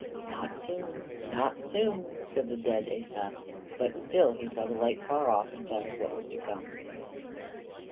"Not soon, not soon," said the dead Asa; but still he saw the light far off, and thought of what was to come.